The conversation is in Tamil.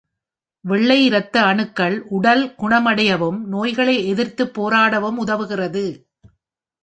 வெள்ளை இரத்த அணுக்கள் உடல் குணமடையவும் நோய்களை எதிர்த்துப் போராடவும் உதவுகிறது.